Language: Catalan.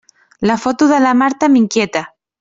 La foto de la Marta m'inquieta.